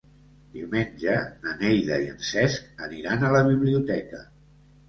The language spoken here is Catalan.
Diumenge na Neida i en Cesc aniran a la biblioteca.